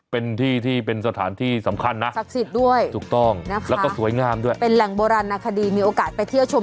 เป็นที่ที่เป็นสถานที่สำคัญนะถูกต้องแล้วก็สวยงามด้วยศักดิ์สิทธิ์ด้วยเป็นแหล่งโบราณนาคดีมีโอกาสไปเที่ยวชม